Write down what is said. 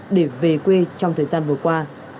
để về quê trong thời gian vừa qua